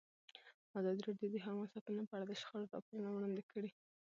ازادي راډیو د حیوان ساتنه په اړه د شخړو راپورونه وړاندې کړي.